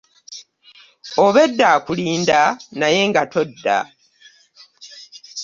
Obwedda akulinda naye nga todda.